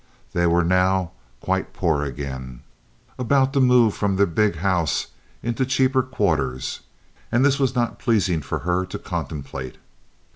They were now quite poor again, about to move from their big house into cheaper quarters; and this was not pleasing for her to contemplate.